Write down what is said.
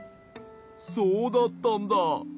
そうだったんだ。